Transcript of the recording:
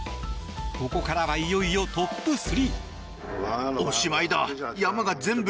ここからはいよいよトップ３！